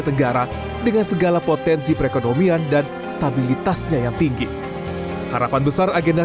tenggara dengan segala potensi perekonomian dan stabilitasnya yang tinggi harapan besar agenda